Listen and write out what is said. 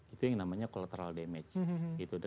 itu yang namanya cultural damage